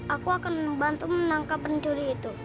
aku akan membantu menangkap pencuri itu